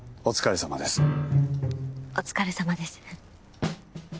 お疲れさまです。